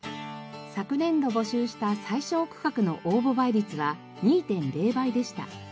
昨年度募集した最小区画の応募倍率は２．０倍でした。